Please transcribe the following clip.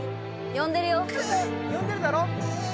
呼んでるだろ。